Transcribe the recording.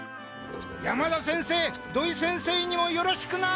山田先生土井先生にもよろしくな！